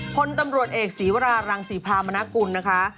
พลตำรวจเอกศีวรารังศรีพรามนากุลนะคะ